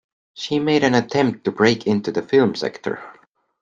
She made an attempt to break into the film sector.